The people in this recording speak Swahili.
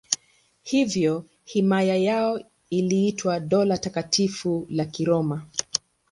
Hivyo himaya yao iliitwa Dola Takatifu la Kiroma.